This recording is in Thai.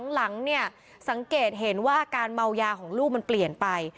หลังเนี่ยสังเกตเห็นว่าอาการเมายาของลูกมันเปลี่ยนไป